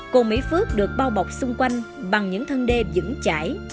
cồn mỹ phước được bao bọc xung quanh bằng những thân đê dững chải